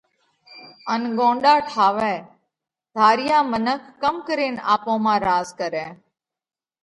ان ڳونڏا ٺاوئه؟ ڌاريا منک ڪم ڪرينَ آپون مانه راز ڪرئه؟